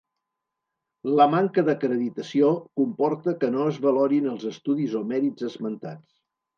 La manca d'acreditació comporta que no es valorin els estudis o mèrits esmentats.